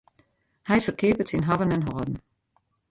Hy ferkeapet syn hawwen en hâlden.